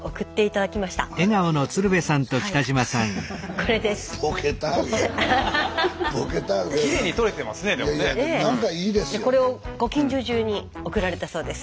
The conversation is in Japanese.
これをご近所中に送られたそうです。